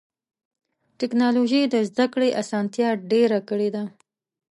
ټکنالوجي د زدهکړې اسانتیا ډېره کړې ده.